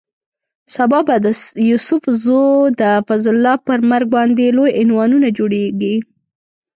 سبا به د یوسف زو د فضل الله پر مرګ باندې لوی عنوانونه جوړېږي.